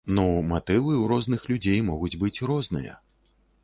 Ну, матывы ў розных людзей могуць быць розныя.